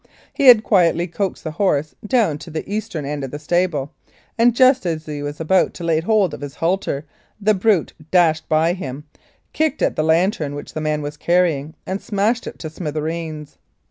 He had quietly coaxed the horse down to the eastern end of the stable, and just as he was about to lay hold of his halter the brute dashed by him, kicked at the lantern which the man was carrying, and smashed it to smithereens.